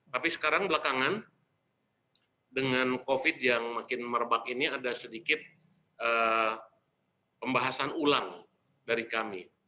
tapi sekarang belakangan dengan covid yang makin merebak ini ada sedikit pembahasan ulang dari kami